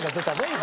今。